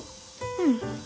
うん。